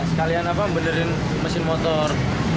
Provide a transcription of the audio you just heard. sekalian apa benerin mesin motor